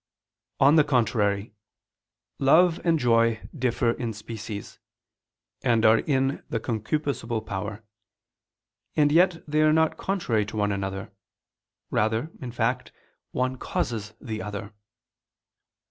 On the contrary, Love and joy differ in species, and are in the concupiscible power; and yet they are not contrary to one another; rather, in fact, one causes the other.